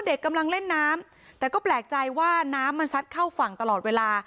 กำลังเล่นน้ำแต่ก็แปลกใจว่าน้ำมันซัดเข้าฝั่งตลอดเวลา